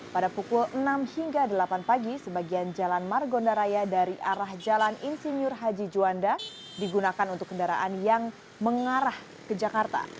pada pukul enam hingga delapan pagi sebagian jalan margonda raya dari arah jalan insinyur haji juanda digunakan untuk kendaraan yang mengarah ke jakarta